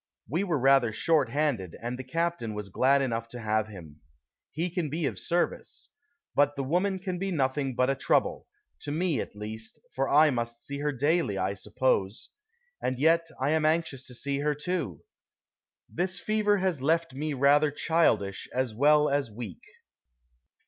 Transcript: We were rather short handed, and the captain was glad enough to have him. He can be of service. But the woman can be nothing but a trouble, to me at least, for I must see her daily, I suppose. And yet I am anxious to see her, too. This fever has left me rather childish as well as weak.